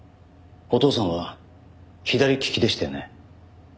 お父さんは左利きでしたよね？